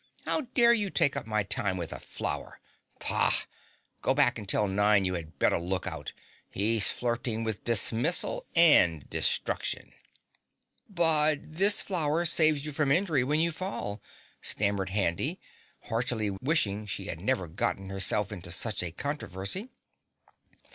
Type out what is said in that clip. How dare you take up my time with a flower! PAH! Go back and tell Nine he had better look out he's flirting with dismissal and destruction." "But this flower saves you from injury when you fall," stammered Handy, heartily wishing she had never got herself into such a controversy.